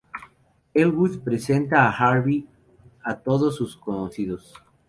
Elwood presenta a Harvey a todos sus conocidos.